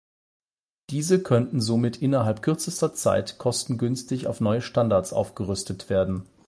Diese könnten somit innerhalb kürzester Zeit kostengünstig auf neue Standards aufgerüstet werden.